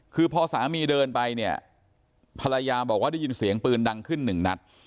คือพอสามีเดินไปเนี่ยภรรยาบอกว่าได้ยินเสียงปืนดังขึ้นหนึ่งนัด